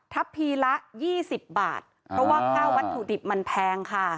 พีละ๒๐บาทเพราะว่าค่าวัตถุดิบมันแพงค่ะ